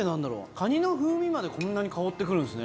カニの風味までこんなに変わってくるんですね。